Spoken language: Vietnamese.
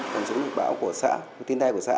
phòng chống thiên tai của xã